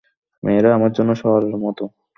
মেয়েরা আমার জন্য শহরের মতো।